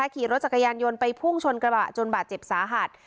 ขี่รถจักรยานยนต์ไปพุ่งชนกระบะจนบาดเจ็บสาหัส